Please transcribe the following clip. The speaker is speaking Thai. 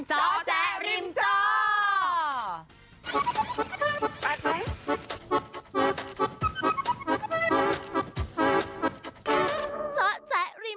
จ๊อแจ๊ะริมจ้อ